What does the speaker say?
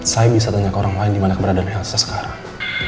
saya bisa tanya ke orang lain di mana keberadaan elsa sekarang